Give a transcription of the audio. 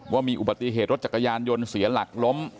ว่ามีอุบัติเหตุรถจักรยานยนต์เสียหลักล้ม